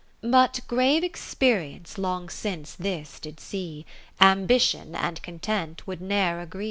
10 But grave Experience long since this did see, Ambition and Content would ne'er agree.